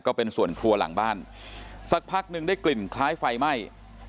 ก็เป็นส่วนครัวหลังบ้านสักพักหนึ่งได้กลิ่นคล้ายไฟไหม้